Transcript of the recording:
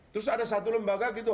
terus ada satu lembaga gitu